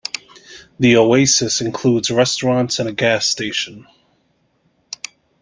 The oasis includes restaurants and a gas station.